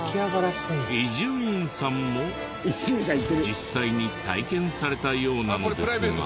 伊集院さんも実際に体験されたようなのですが。